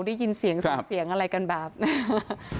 ได้ยินเสียงส่งเสียงอะไรกันแบบนี้